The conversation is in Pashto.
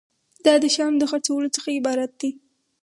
دا د شیانو د خرڅولو څخه عبارت دی.